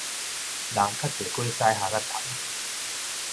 人較濟過屎礐仔蟲